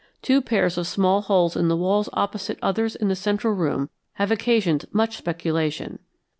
Two pairs of small holes in the walls opposite others in the central room have occasioned much speculation.